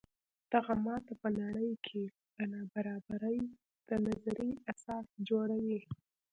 دغه ماته په نړۍ کې د نابرابرۍ د نظریې اساس جوړوي.